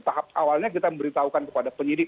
tahap awalnya kita memberitahukan kepada penyidik